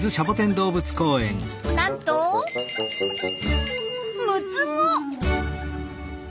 なんと６つ子！